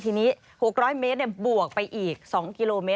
ทีนี้๖๐๐เมตรบวกไปอีก๒กิโลเมตร